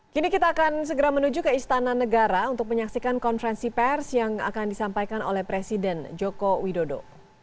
kini kita akan segera menuju ke istana negara untuk menyaksikan konferensi pers yang akan disampaikan oleh presiden joko widodo